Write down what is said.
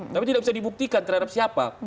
tapi tidak bisa dibuktikan terhadap siapa